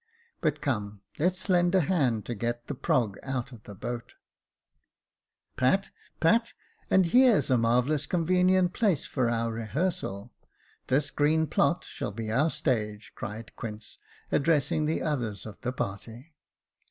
" But come, let's lend a hand to get the prog out of the boat." Jacob Faithful 269 "Pat! Pat! and here's a marvellous convenient place for our rehearsal. This green plot shall be our stage," cried Quince, addressing the others of the party.